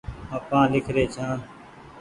آپآن ليکري ڇآن